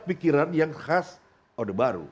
pikiran yang khas odeh baru